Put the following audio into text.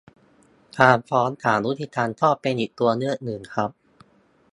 การฟ้องศาลยุติธรรมก็เป็นอีกตัวเลือกหนึ่งครับ